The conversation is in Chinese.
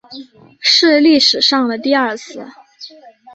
是历史上的第二次